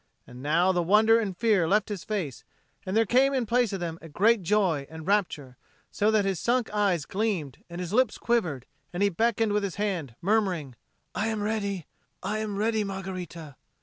And now the wonder and fear left his face, and there came in place of them a great joy and rapture, so that his sunk eyes gleamed, his lips quivered, and he beckoned with his hand, murmuring, "I am ready, I am ready, Margherita!"